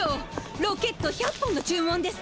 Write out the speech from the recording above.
ロケット１００本の注文です！